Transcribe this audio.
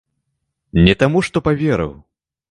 Не таму, што паверыў.